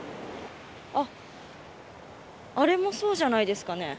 あれもそうじゃないですかね。